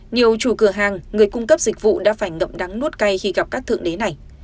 nhiều chủ cửa hàng người cung cấp dịch vụ đã phải ngậm đắng nuốt cay khi gặp các thượng đế này